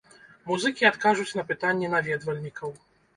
Музыкі адкажуць на пытанні наведвальнікаў.